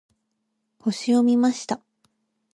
星を見ました。